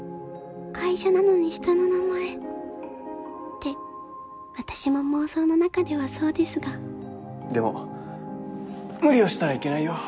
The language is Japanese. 会社なのに下の名前って私も妄想の中ではそうですがでも無理をしたらいけないよ